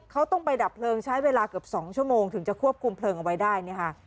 เขาต้องไปดับเพลิงใช้เวลาเกือบ๒ชั่วโมงถึงจะควบคุมเพลิงเอาไว้ได้เนี่ยค่ะ